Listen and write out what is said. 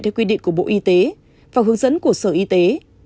theo quy định của bộ y tế và hướng dẫn của sở y tế